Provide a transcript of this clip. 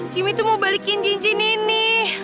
kimi tuh mau balikin cincin ini